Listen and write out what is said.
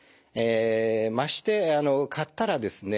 まして買ったらですね